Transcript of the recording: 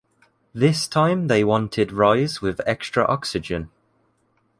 This time they wanted rise with extra oxygen.